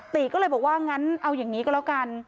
ติก็เลยบอกว่างั้นเอาอย่างนี้ก็แล้วกัน